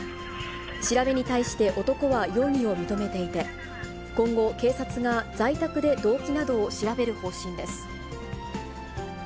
調べに対して男は容疑を認めていて、今後、警察が在宅で動機などを調べる方針です。